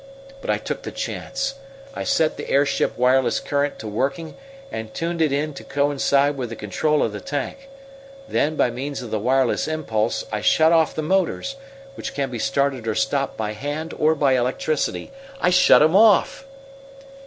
"But I took the chance. I set the airship wireless current to working, and tuned it in to coincide with the control of the tank. Then, by means of the wireless impulse I shut off the motors, which can be stopped or started by hand or by electricity. I shut 'em off."